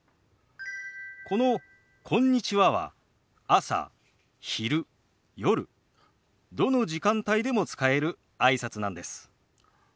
この「こんにちは」は朝昼夜どの時間帯でも使えるあいさつなんです。